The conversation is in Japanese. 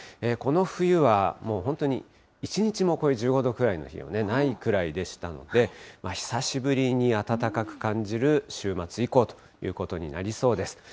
この冬はもう、本当に一日も１５度くらいの日がないくらいでしたので、久しぶりに暖かく感じる週末以降ということになりそうです。